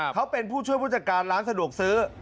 เขาเป็นผู้ช่วยผู้จัดการร้านสะดวกซื้อ